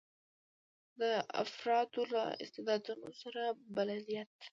د افرادو له استعدادونو سره بلدیت.